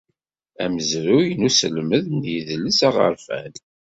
Amezruy n uselmed n yidles aɣerfan.